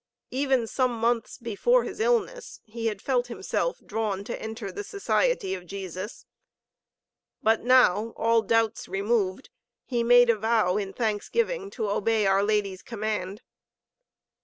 Even some months before his illness he had felt himself drawn to enter the Society of Jesus. But now, all doubts removed, he made a vow in thanksgiving to obey our Lady's command.